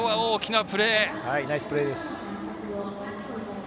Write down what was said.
ナイスプレーです。